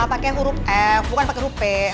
pakai huruf m bukan pakai huruf p